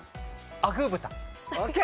アグー豚。